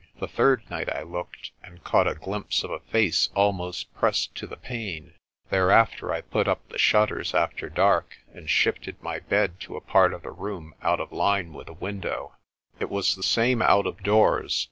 The third night I looked, and caught a glimpse of a face almost pressed to the pane. Thereafter I put up the shutters after dark, and shifted my bed to a part of the room out of line with the window. It was the same out of doors.